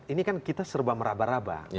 ini kan kita serba meraba raba